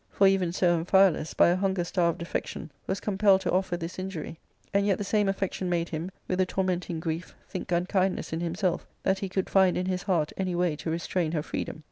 For even so Amphialus, by a hunger starved affection, was compelled to offer this injury, and yet the same affection made him, with a tormenting grief, think unkindness in him self that he could find in his heart any way to restrain her freedom.